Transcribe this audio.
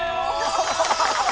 ハハハハ！